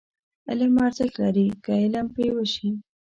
علم ارزښت لري، که عمل پرې وشي.